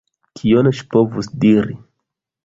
Kion ŝi povus diri?